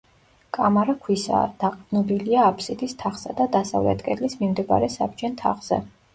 კამარა ქვისაა, დაყრდნობილია აფსიდის თაღსა და დასავლეთ კედლის მიმდებარე საბჯენ თაღზე.